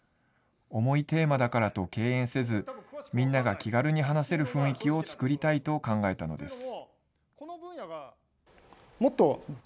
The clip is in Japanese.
重いテーマだからと敬遠せずみんなが気軽に話せる雰囲気を作りたいと考えたのです。